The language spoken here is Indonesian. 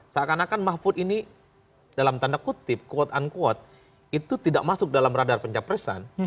seakan akan mahfud ini dalam tanda kutip quote unquote itu tidak masuk dalam radar pencapresan